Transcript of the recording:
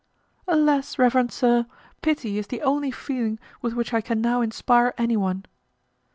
"Alas! reverend sir, pity is the only feeling with which I can now inspire anyone."